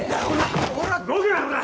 動くなおら。